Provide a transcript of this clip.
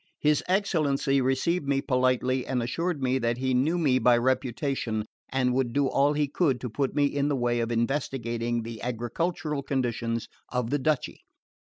His excellency received me politely and assured me that he knew me by reputation and would do all he could to put me in the way of investigating the agricultural conditions of the duchy.